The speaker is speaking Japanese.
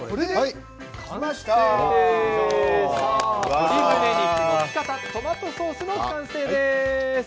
鶏むね肉のピカタトマトソースの完成です。